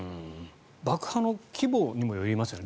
爆破の規模にもよりますよね。